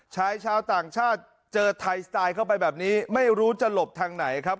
ชายชาวต่างชาติเจอไทยสไตล์เข้าไปแบบนี้ไม่รู้จะหลบทางไหนครับ